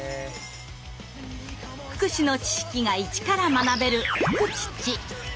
福祉の知識がイチから学べる「フクチッチ」。